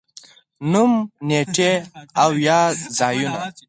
نوم، نېټې او یا ځايونه